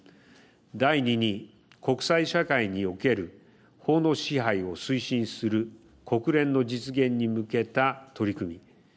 第２に、国際社会における法の支配を推進する国連の実現に向けた取り組み。